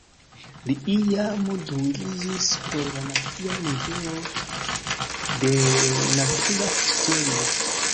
Li iam dungiĝis por la Nacia Muzeo de Natura Historio.